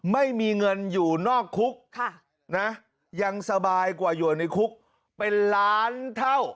ไม่มีเงินอยู่นอกคุกยังสบายกว่าอยู่ในคุกเป็นล้านเท่า